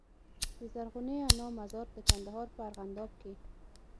د زرغونې انا مزار د کندهار په ارغنداب کي